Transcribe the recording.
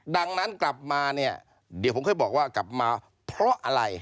ดังนั้นกลับมาเนี่ยเดี๋ยวผมเคยบอกว่ากลับมาเพราะอะไร